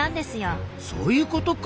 そういうことか。